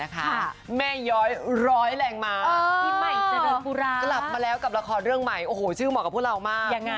กลับมาแล้วกับละครเรื่องใหม่โอ้โหชื่อเหมาะกับพวกเรามาก